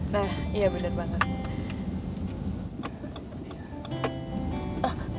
nah iya bener banget